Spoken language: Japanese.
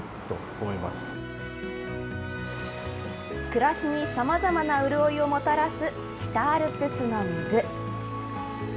暮らしにさまざまな潤いをもたらす北アルプスの水。